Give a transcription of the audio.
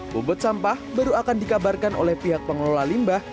bumbut sampah baru akan dikabarkan oleh pihak pengelola limbah